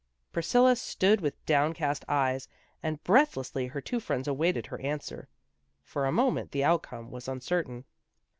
Priscilla stood with downcast eyes, and breathlessly her two friends awaited her an swer. For a moment the outcome was uncer tain.